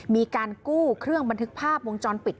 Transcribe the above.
มีการกู้เครื่องบันทึกภาพวงจรปิด